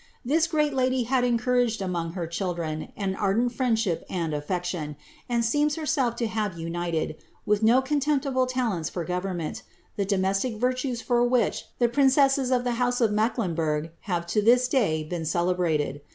This great lady had en couraged among her children an ardent friendship and affection, and •eems herself to have united, with no contemptible talents for govern ment, the domestic virtues for which the princesses of the house of Mecklenburg have to this day been celebrated.